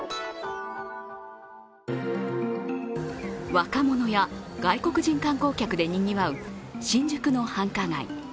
若者や、外国人観光客でにぎわう、新宿の繁華街。